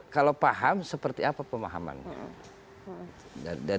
kalau paham seperti apa pemahamannya